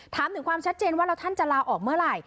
ถามถึงความชัดเจนว่าแล้วท่านจะลาออกเมื่อไหร่